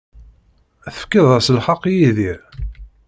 Tefkiḍ-as lḥeqq i Yidir.